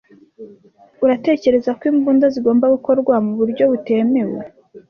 Uratekereza ko imbunda zigomba gukorwa mu buryo butemewe?